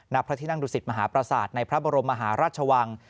นัพพระธินักราศิษย์มหาปราสาทในพระบรมมหารัชวัง